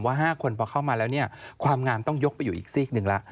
๕คนพอเข้ามาแล้วเนี่ยความงามต้องยกไปอยู่อีกซีกหนึ่งแล้ว